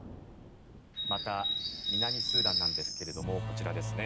また、南スーダンなんですがこちらですね。